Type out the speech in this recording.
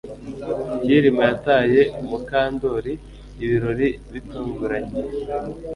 Kirima yataye Mukandoli ibirori bitunguranye